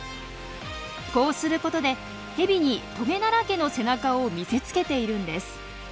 こうすることでヘビにトゲだらけの背中を見せつけているんです。